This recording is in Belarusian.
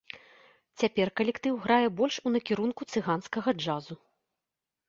Цяпер калектыў грае больш у накірунку цыганскага джазу.